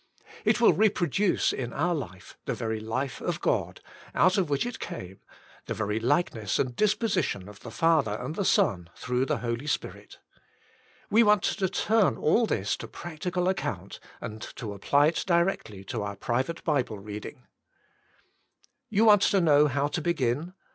'' It will re produce in our life the very life of God, out of which it came, the very likeness and disposition of the Father and the Son through the Holy Spirit. We want to turn all this to practical ac The Life and the Light 93 count and to apply it directly to our private Bible reading. You want to know how to begin.